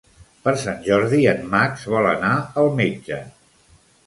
Per Sant Jordi en Max vol anar al metge.